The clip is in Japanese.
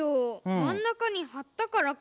まんなかにはったからか。